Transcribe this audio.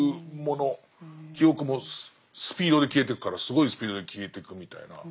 記憶もスピードで消えてくからすごいスピードで消えてくみたいな。